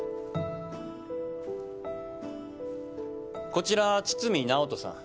こちら堤直人さん。